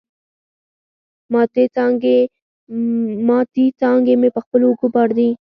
ماتي څانګي مي په خپلو اوږو بار دي